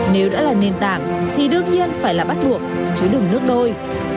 nếu đã là nền tảng thì đương nhiên phải là bắt buộc chứ đừng nước đôi